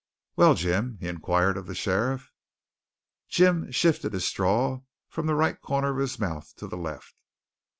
Well, Jim?" he inquired of the sheriff. Jim shifted his straw from the right corner of his mouth to the left.